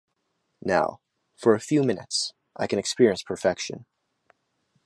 Now, for a few minutes, I can experience perfection.